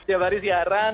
setiap hari siaran